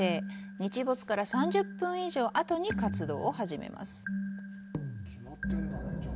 日没から３０分以上後に活動を始めます。